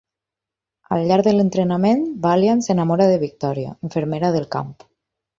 Al llarg de l'entrenament, Valiant s'enamora de Victoria, infermera del camp.